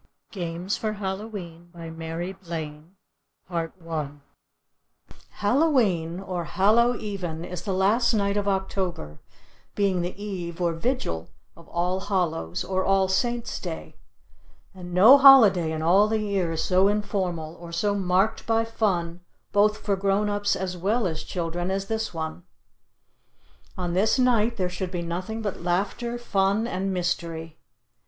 GAMES FOR HALLOW E'EN BY MARY F. BLAIN NEW YORK 1912 GAMES FOR HALLOW E'EN Hallow e'en or Hallow Even is the last night of October, being the eve or vigil of All Hallow's or All Saint's Day, and no holiday in all the year is so informal or so marked by fun both for grown ups as well as children as this one. On this night there should be nothing but laughter, fun and mystery.